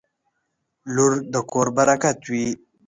• لور د کور برکت وي.